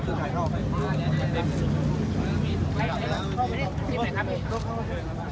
หรือที่ทำไมสุดท้ายก็เสียง